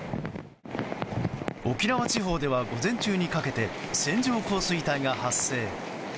沖縄地方では午前中にかけて線状降水帯が発生。